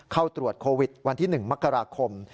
เข้าตรวจโควิดวันที่๑มกราคม